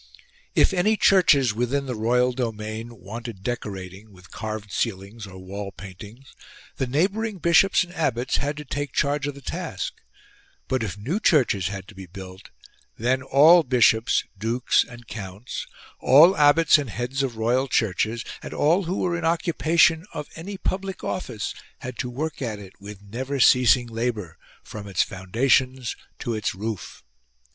If any churches, within the royal domain, wanted decorating with carved ceilings or wall paintings, the neighbouring bishops and abbots had to take charge of the task ; but if new churches had to be built then all bishops, dukes and counts, all abbots and heads of royal churches and all who were in occupation of any public office had to work at it with never ceasing labour from its foundations to its roof.